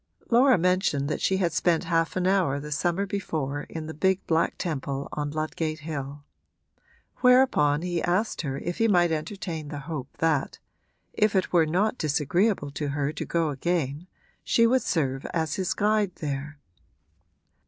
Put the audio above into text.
Laura mentioned that she had spent half an hour the summer before in the big black temple on Ludgate Hill; whereupon he asked her if he might entertain the hope that if it were not disagreeable to her to go again she would serve as his guide there.